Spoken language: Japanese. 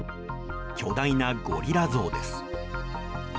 巨大なゴリラ像です。